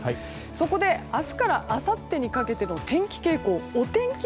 そこで明日からあさってにかけての天気傾向をお天気